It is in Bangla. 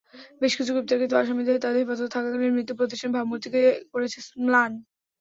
বেশ কিছু গ্রেপ্তারকৃত আসামির তাদের হেফাজতে থাকাকালীন মৃত্যু প্রতিষ্ঠানের ভাবমূর্তিকে করেছে ম্লান।